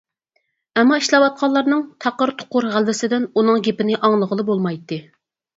ئەمما ئىشلەۋاتقانلارنىڭ تاقىر-تۇقۇر غەلۋىسىدىن ئۇنىڭ گېپىنى ئاڭلىغىلى بولمايتتى.